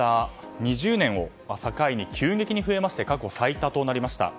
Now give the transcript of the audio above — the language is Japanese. ２０２０年を境に急激に増えまして過去最多となりました。